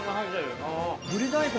ブリ大根